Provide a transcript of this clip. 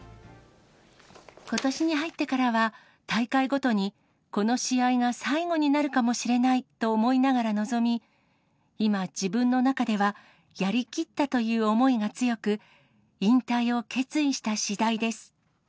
ことしに入ってからは、大会ごとにこの試合が最後になるかもしれないと思いながら臨み、今、自分の中では、やりきったという思いが強く、引退を決意したしだいです。